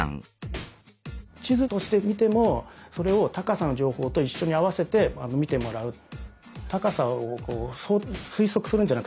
地図としてみてもそれを高さの情報と一緒に合わせて見てもらう。